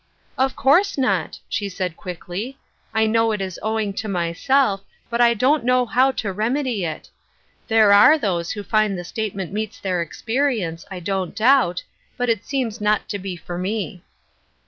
" Of course not," she said, quickly. " I know it is owing to myself, but I don't know how to remedy it. There are those who find the state ment meets their experience, I don't doubt, but it seems not to be for me."